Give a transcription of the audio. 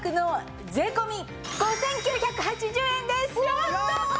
やったー！